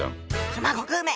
熊悟空め！